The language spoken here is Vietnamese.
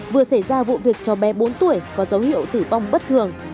vừa xảy ra vụ việc cho bé bốn tuổi có dấu hiệu tử vong bất thường